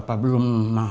papa belum mak